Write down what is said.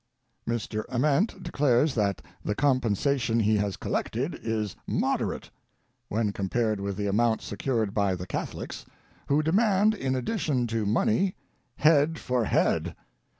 "Mr. Ament declares that the compensation he has collected is mod erate, when compared with the amount secured by the Catholics, who demand, in addition to money, head for head.